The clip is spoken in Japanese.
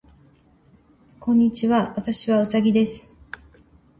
こんにちは。私はうさぎです。